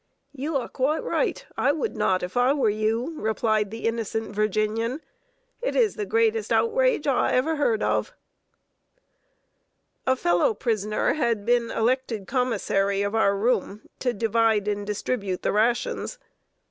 "You are quite right. I would not, if I were you," replied the innocent Virginian. "It is the greatest outrage I ever heard of." [Sidenote: PROCEEDINGS OF A MOCK COURT.] A fellow prisoner had been elected commissary of our room, to divide and distribute the rations.